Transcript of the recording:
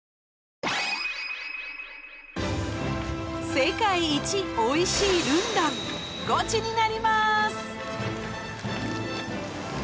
世界一美味しいルンダンゴチになります